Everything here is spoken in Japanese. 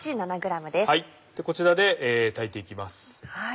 こちらで炊いていきます。